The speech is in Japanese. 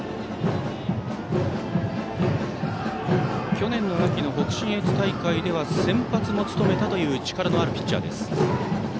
去年の秋の北信越大会では先発も務めたという力のあるピッチャーです。